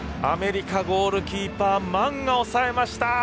アメリカ、ゴールキーパーマンが抑えました。